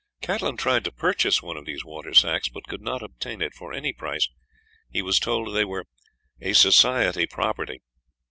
Catlin tried to purchase one of these water sacks, but could not obtain it for any price; he was told they were "a society property."